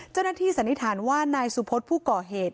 เจ้าหน้าที่สันนิษฐานว่านายสุพธิ์ผู้ก่อเหตุ